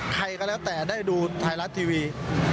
ใครก็แล้วแต่ได้ดูไทยรัฐทีวี